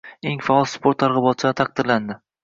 Eng faol sport targ‘ibotchilari taqdirlandi